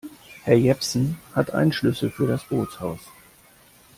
Herr Jepsen hat einen Schlüssel für das Bootshaus.